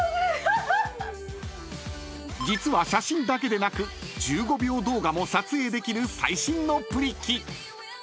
［実は写真だけでなく１５秒動画も撮影できる最新のプリ機］